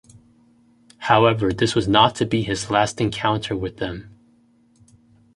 However this was not to be his last encounter with them.